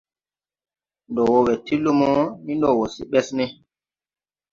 Ndo wo we ti lumo, ni ndo wo se Besne.